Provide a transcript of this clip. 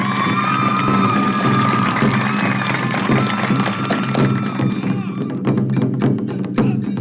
ยกเว้น